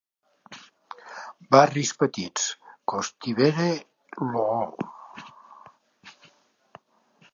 Barris petits: Kostivere, Loo.